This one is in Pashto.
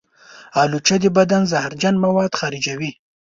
الوچه د بدن زهرجن مواد خارجوي.